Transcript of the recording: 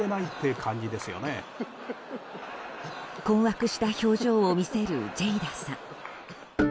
困惑した表情を見せるジェイダさん。